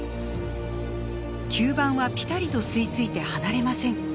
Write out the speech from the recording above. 吸盤はぴたりと吸い付いて離れません。